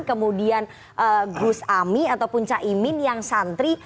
kemudian gus ami ataupun caimin yang santri